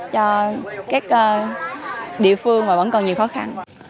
cho các địa phương mà vẫn còn nhiều khó khăn